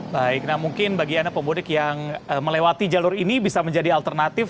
baik nah mungkin bagi anda pemudik yang melewati jalur ini bisa menjadi alternatif